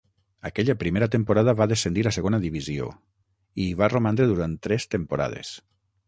Aquella primera temporada va descendir a segona divisió, i hi va romandre durant tres temporades.